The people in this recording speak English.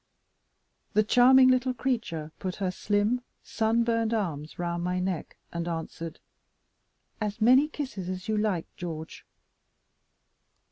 The charming little creature put her slim sun burned arms round my neck, and answered: "As many kisses as you like, George."